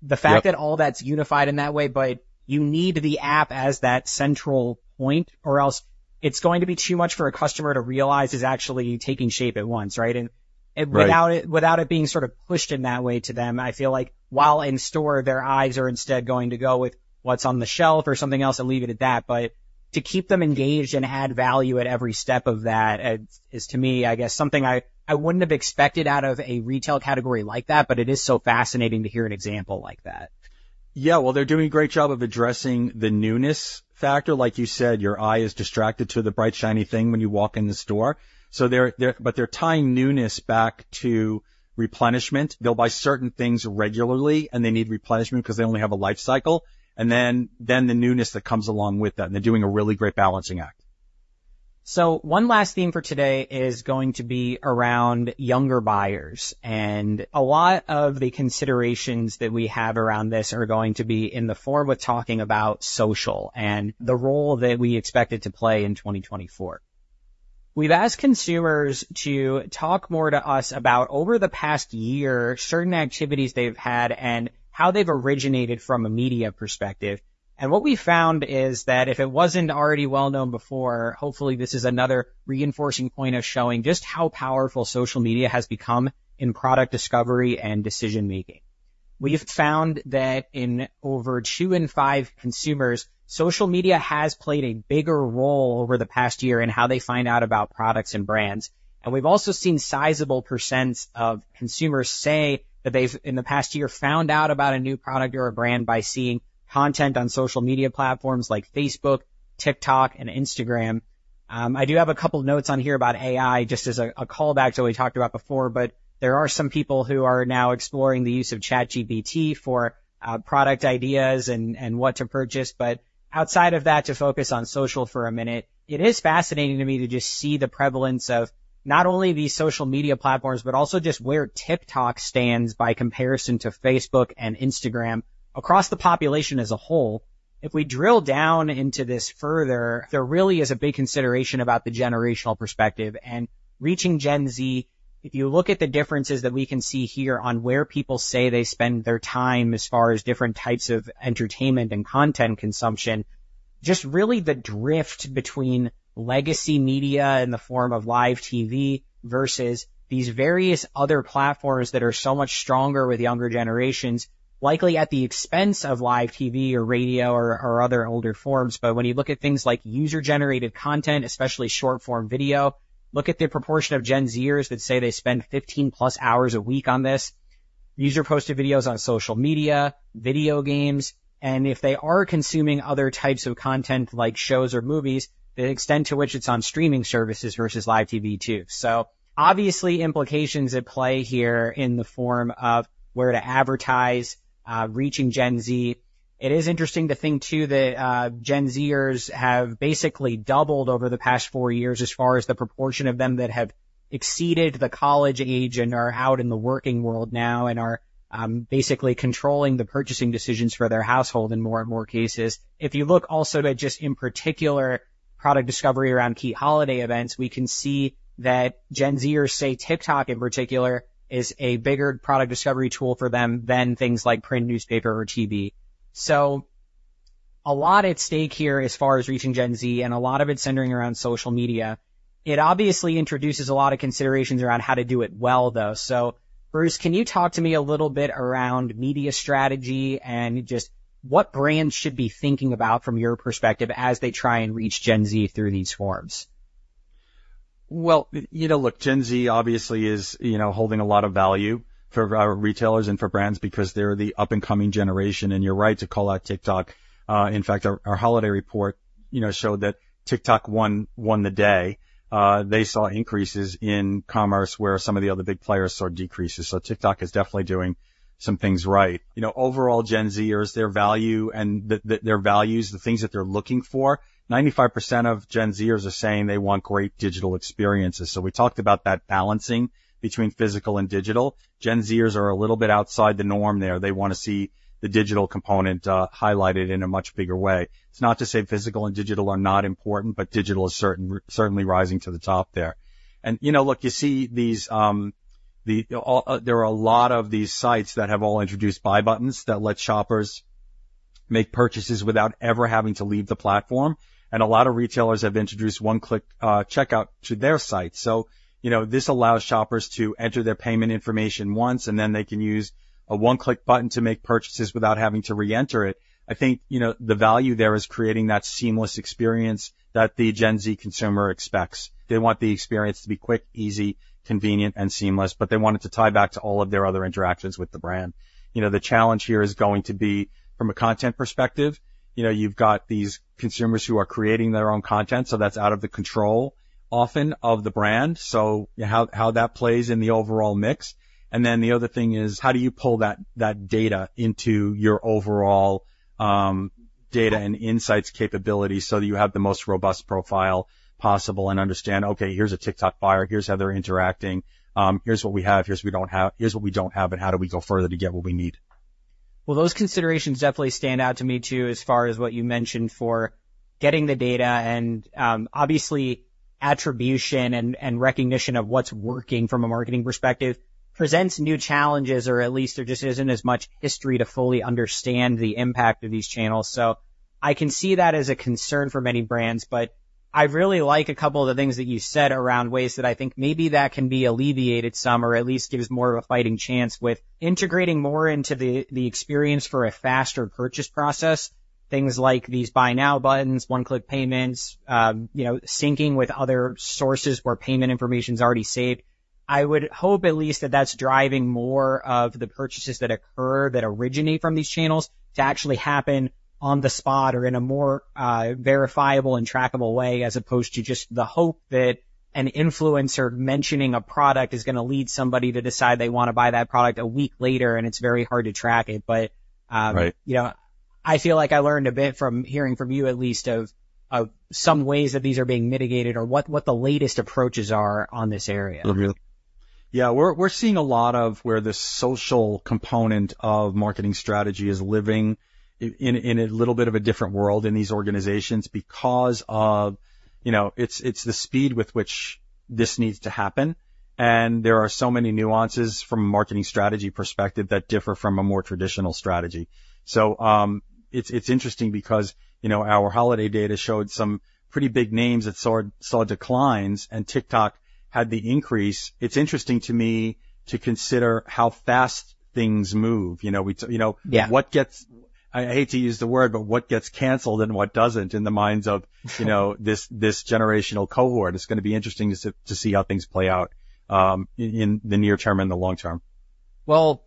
Yep. The fact that all that's unified in that way, but you need the app as that central point, or else it's going to be too much for a customer to realize is actually taking shape at once, right? Without it, without it being sort of pushed in that way to them, I feel like while in store, their eyes are instead going to go with what's on the shelf or something else, and leave it at that. But to keep them engaged and add value at every step of that, is, to me, I guess, something I wouldn't have expected out of a retail category like that, but it is so fascinating to hear an example like that. Yeah, well, they're doing a great job of addressing the newness factor. Like you said, your eye is distracted to the bright, shiny thing when you walk in the store. So they're, but they're tying newness back to replenishment. They'll buy certain things regularly, and they need replenishment 'cause they only have a life cycle, and then the newness that comes along with that, and they're doing a really great balancing act. So one last theme for today is going to be around younger buyers, and a lot of the considerations that we have around this are going to be in the form of talking about social and the role that we expect it to play in 2024. We've asked consumers to talk more to us about, over the past year, certain activities they've had and how they've originated from a media perspective. What we found is that, if it wasn't already well known before, hopefully this is another reinforcing point of showing just how powerful social media has become in product discovery and decision-making. We've found that in over 2 in 5 consumers, social media has played a bigger role over the past year in how they find out about products and brands. We've also seen sizable percents of consumers say that they've, in the past year, found out about a new product or a brand by seeing content on social media platforms like Facebook, TikTok, and Instagram. I do have a couple notes on here about AI, just as a callback to what we talked about before, but there are some people who are now exploring the use of ChatGPT for product ideas and what to purchase. But outside of that, to focus on social for a minute, it is fascinating to me to just see the prevalence of not only these social media platforms but also just where TikTok stands by comparison to Facebook and Instagram across the population as a whole. If we drill down into this further, there really is a big consideration about the generational perspective and reaching Gen Z. If you look at the differences that we can see here on where people say they spend their time, as far as different types of entertainment and content consumption, just really the drift between legacy media in the form of live TV versus these various other platforms that are so much stronger with younger generations, likely at the expense of live TV or radio or other older forms. But when you look at things like user-generated content, especially short-form video, look at the proportion of Gen Zers that say they spend 15+ hours a week on this. User-posted videos on social media, video games, and if they are consuming other types of content, like shows or movies, the extent to which it's on streaming services versus live TV, too. So obviously, implications at play here in the form of where to advertise, reaching Gen Z. It is interesting to think, too, that Gen Zers have basically doubled over the past four years as far as the proportion of them that have exceeded the college age and are out in the working world now and are basically controlling the purchasing decisions for their household in more and more cases. If you look also to just, in particular, product discovery around key holiday events, we can see that Gen Zers say TikTok, in particular, is a bigger product discovery tool for them than things like print, newspaper, or TV. So a lot at stake here as far as reaching Gen Z, and a lot of it centering around social media. It obviously introduces a lot of considerations around how to do it well, though. Bruce, can you talk to me a little bit around media strategy and just what brands should be thinking about, from your perspective, as they try and reach Gen Z through these forums? Well, you know, look, Gen Z obviously is, you know, holding a lot of value for retailers and for brands because they're the up-and-coming generation, and you're right to call out TikTok. In fact, our holiday report, you know, showed that TikTok won the day. They saw increases in commerce, where some of the other big players saw decreases, so TikTok is definitely doing some things right. You know, overall, Gen Zers, their value and their values, the things that they're looking for, 95% of Gen Zers are saying they want great digital experiences. So we talked about that balancing between physical and digital. Gen Zers are a little bit outside the norm there. They wanna see the digital component highlighted in a much bigger way. It's not to say physical and digital are not important, but digital is certainly rising to the top there. And, you know, look, you see these, there are a lot of these sites that have all introduced buy buttons that let shoppers make purchases without ever having to leave the platform, and a lot of retailers have introduced one-click checkout to their site. So, you know, this allows shoppers to enter their payment information once, and then they can use a one-click button to make purchases without having to re-enter it. I think, you know, the value there is creating that seamless experience that the Gen Z consumer expects. They want the experience to be quick, easy, convenient, and seamless, but they want it to tie back to all of their other interactions with the brand. You know, the challenge here is going to be from a content perspective. You know, you've got these consumers who are creating their own content, so that's out of the control, often, of the brand, so how that plays in the overall mix. And then the other thing is, how do you pull that data into your overall data and insights capability so that you have the most robust profile possible and understand, "Okay, here's a TikTok buyer. Here's how they're interacting. Here's what we have, here's what we don't have, here's what we don't have, and how do we go further to get what we need? Well, those considerations definitely stand out to me, too, as far as what you mentioned for getting the data and, obviously, attribution and recognition of what's working from a marketing perspective presents new challenges, or at least there just isn't as much history to fully understand the impact of these channels. So I can see that as a concern for many brands, but I really like a couple of the things that you said around ways that I think maybe that can be alleviated some, or at least gives more of a fighting chance with integrating more into the experience for a faster purchase process. Things like these buy now buttons, one-click payments, you know, syncing with other sources where payment information's already saved. I would hope at least that that's driving more of the purchases that occur, that originate from these channels, to actually happen on the spot or in a more, verifiable and trackable way, as opposed to just the hope that an influencer mentioning a product is gonna lead somebody to decide they wanna buy that product a week later, and it's very hard to track it. But, Right... you know, I feel like I learned a bit from hearing from you at least of, of some ways that these are being mitigated or what, what the latest approaches are on this area. Mm-hmm. Yeah, we're seeing a lot of where the social component of marketing strategy is living in a little bit of a different world in these organizations because of, you know, it's the speed with which this needs to happen, and there are so many nuances from a marketing strategy perspective that differ from a more traditional strategy. So, it's interesting because, you know, our holiday data showed some pretty big names that saw declines, and TikTok had the increase. It's interesting to me to consider how fast things move, you know? We, you know— Yeah... what gets, I hate to use the word, but what gets canceled and what doesn't in the minds of you know, this generational cohort. It's gonna be interesting to see how things play out in the near term and the long term. Well,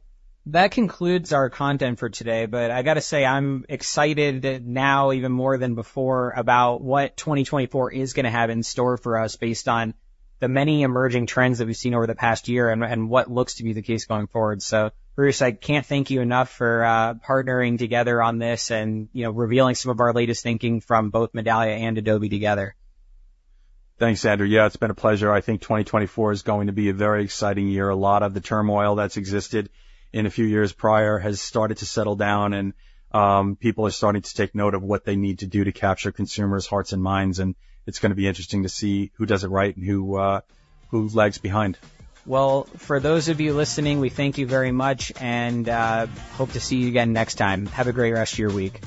that concludes our content for today, but I gotta say, I'm excited now even more than before about what 2024 is gonna have in store for us based on the many emerging trends that we've seen over the past year and what looks to be the case going forward. So Bruce, I can't thank you enough for partnering together on this and, you know, revealing some of our latest thinking from both Medallia and Adobe together. Thanks, Andrew. Yeah, it's been a pleasure. I think 2024 is going to be a very exciting year. A lot of the turmoil that's existed in a few years prior has started to settle down, and people are starting to take note of what they need to do to capture consumers' hearts and minds, and it's gonna be interesting to see who does it right and who lags behind. Well, for those of you listening, we thank you very much, and hope to see you again next time. Have a great rest of your week.